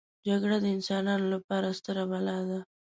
جګړه د انسانانو لپاره ستره بلا ده